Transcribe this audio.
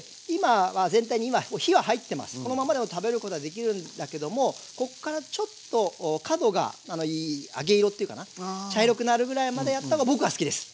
このままでも食べることはできるんだけどもここからちょっと角がいい揚げ色っていうかな茶色くなるぐらいまでやった方が僕は好きです。